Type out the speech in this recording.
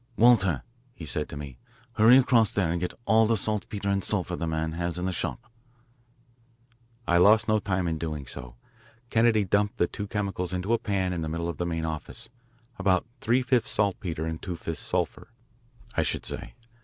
"Walter," he said to me, "hurry across there and get all the saltpeter and sulphur the man has in the shop. I lost no time in doing so. Kennedy dumped the two chemicals into a pan in the middle of the main office, about three fifths saltpeter and two fifths sulphur, I should say.